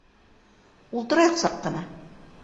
- Ултырайыҡ саҡ ҡына.